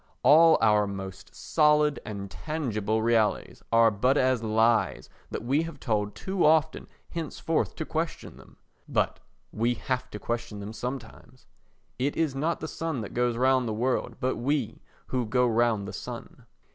All our most solid and tangible realities are but as lies that we have told too often henceforth to question them. But we have to question them sometimes. It is not the sun that goes round the world but we who go round the sun.